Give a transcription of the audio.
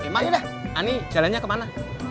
emang udah ani jalannya kemana